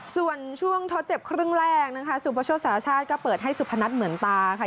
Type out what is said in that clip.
ส่วนช่วงทดเจ็บครึ่งแรกนะคะสุประโชคสารชาติก็เปิดให้สุพนัทเหมือนตาค่ะ